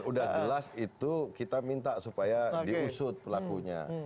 udah jelas itu kita minta supaya diusut pelakunya